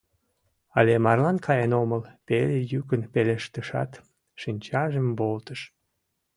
— Але марлан каен омыл... — пеле йӱкын пелештышат, шинчажым волтыш.